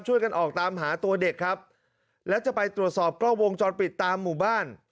ช่วยกันออกตามหาตัวเด็กครับแล้วจะไปตรวจสอบกล้องวงจรปิดตามหมู่บ้าน